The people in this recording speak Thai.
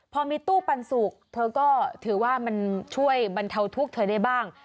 พอมีตู้ปันสุกเธอก็ถือว่ามันช่วยบรรเทาทุกข์เธอได้บ้าง